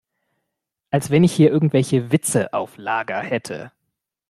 Als wenn ich hier irgendwelche Witze auf Lager hätte!